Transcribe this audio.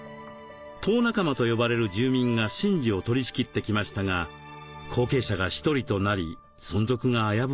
「頭仲間」と呼ばれる住民が神事を取りしきってきましたが後継者が１人となり存続が危ぶまれています。